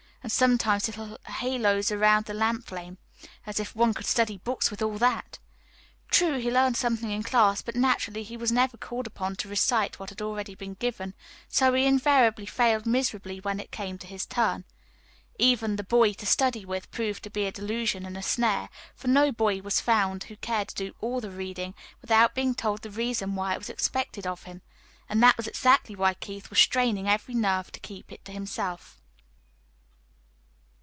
And sometimes little haloes around the lamp flame. As if one could study books with all that! True, he learned something in class but naturally he was never called upon to recite what had already been given, so he invariably failed miserably when it came to his turn. Even the "boy to study with" proved to be a delusion and a snare, for no boy was found who cared to do "all the reading," without being told the reason why it was expected of him and that was exactly what Keith was straining every nerve to keep to himself.